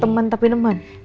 temen tapi nemen